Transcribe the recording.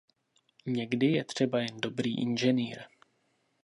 Někdy je třeba jen dobrý inženýr.